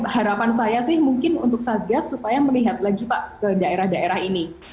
harapan saya sih mungkin untuk satgas supaya melihat lagi pak ke daerah daerah ini